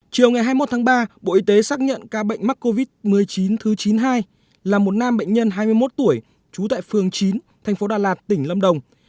chiều ngày hai mươi một tháng ba bộ y tế xác nhận ca bệnh mắc covid một mươi chín thứ chín mươi hai là một nam bệnh nhân hai mươi một tuổi trú tại phường chín thành phố đà lạt tỉnh lâm đồng